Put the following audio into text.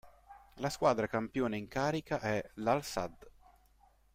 La squadra campione in carica è l'Al-Sadd.